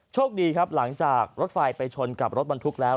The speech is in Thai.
โชคดีครับหลังจากรถไฟไปชนกับรถบรรทุกแล้ว